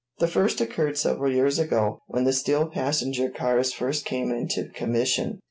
The first occurred several years ago, when the steel passenger cars first came into commission.